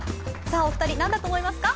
お二人、何だと思いますか？